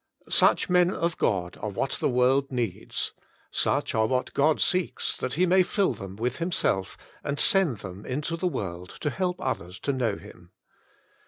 Such men of God are what the world needs; such are what God seeks, that He may fill them with Himself, and send them into the world to help others to know Him.